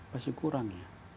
pasti kurang ya